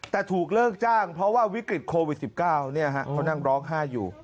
แต่ถูกเลิกจ้างเพราะว่าวิกฤตโควิด๑๙เขานั่งร้องไห้อยู่